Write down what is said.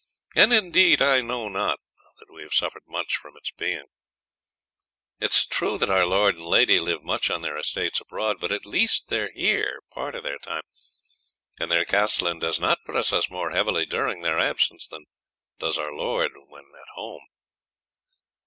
And, indeed, I know not that we have suffered much from its being so; it is true that our lord and lady live much on their estates abroad, but at least they are here part of their time, and their castellan does not press us more heavily during their absence than does our lord when at home."